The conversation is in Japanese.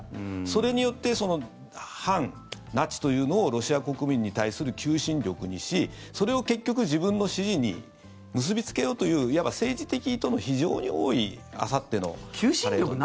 それによって反ナチというのをロシア国民に対する求心力にしそれを結局、自分の支持に結びつけようといういわば政治的意図の非常に多いあさってのパレード。